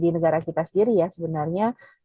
negara kita sendiri sebenarnya